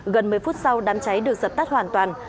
gần một mươi phút sau đám cháy được dập tắt hoàn toàn